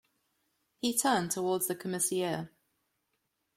He turned towards the Commissaire.